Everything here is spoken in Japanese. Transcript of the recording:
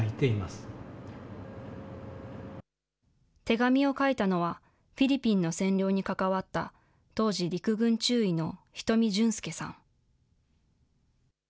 手紙を書いたのは、フィリピンの占領に関わった当時陸軍中尉の人見潤介さん。